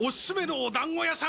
おだんご屋さん？